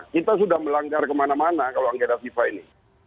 kita sudah melanggar kemana mana kalau anggota fifa ini